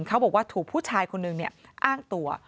เขาบอกว่าถูกผู้ชายคนหนึ่งอ้างตัว